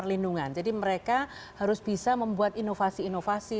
terutama di kompolnas jadi mereka harus bisa membuat inovasi inovasi